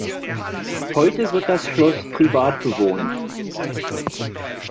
Heute wird das Schloss privat bewohnt.